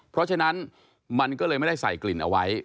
เพราะฉะนั้นมันก็เลยไม่ได้ใส่กลิ่นเอาไว้